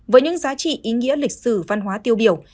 với những giá trị ý nghĩa lịch sử văn hóa tiêu biểu